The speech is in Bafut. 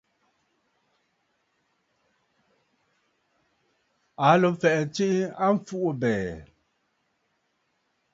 Aa lǒ fɛ̀ʼ̀ɛ̀ tsiʼi a mfuʼubɛ̀ɛ̀.